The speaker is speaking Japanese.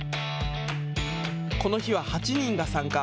この日は８人が参加。